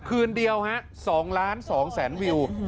คืนเดียว๒ล้าน๒แสนวิว